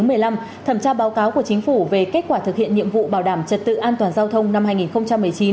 thẩm tra báo cáo của chính phủ về kết quả thực hiện nhiệm vụ bảo đảm trật tự an toàn giao thông năm hai nghìn một mươi chín